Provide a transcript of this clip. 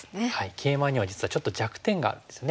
ケイマには実はちょっと弱点があるんですね。